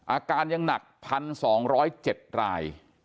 อาการยังหนัก๑๒๐๗ราย